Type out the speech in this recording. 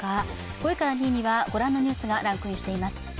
５位から２位には、ご覧のニュースがランクインしています。